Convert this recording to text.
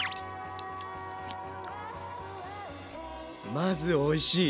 まずおいしい。